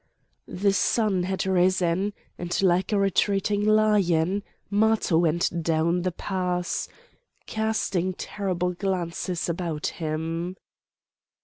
The sun had risen; and, like a retreating lion, Matho went down the paths, casting terrible glances about him.